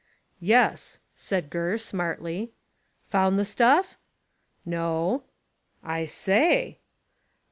"Yes," said Gurr smartly. "Found the stuff?" "No." "I say."